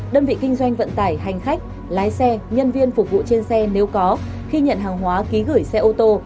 đơn vị kinh doanh vận tải hành khách lái xe nhân viên phục vụ trên xe nếu có khi nhận hàng hóa ký gửi xe ô tô